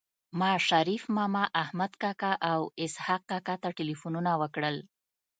ما شريف ماما احمد کاکا او اسحق کاکا ته ټيليفونونه وکړل